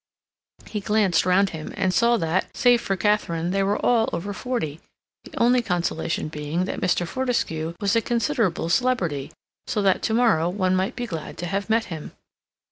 He glanced round him, and saw that, save for Katharine, they were all over forty, the only consolation being that Mr. Fortescue was a considerable celebrity, so that to morrow one might be glad to have met him.